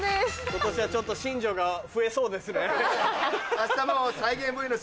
今年はちょっと新庄が増えそうですね。